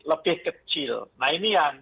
lebih kecil nah ini yang